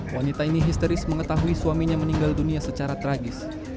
wanita ini histeris mengetahui suaminya meninggal dunia secara tragis